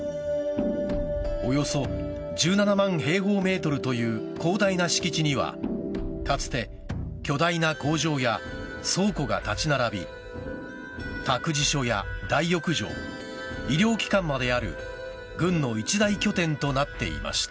およそ１７万平方メートルという広大な敷地にはかつて、巨大な工場や倉庫が立ち並び託児所や大浴場医療機関まである軍の一大拠点となっていました。